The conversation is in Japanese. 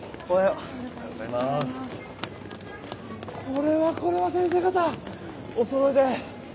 これはこれは先生方おそろいで。